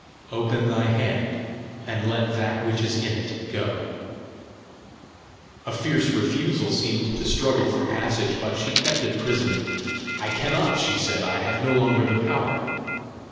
"Open thy hand, and let that which is in it go." A fierce refusal seemed to struggle for passage, but she kept it prisoned. "I cannot," she said. "I have no longer the power.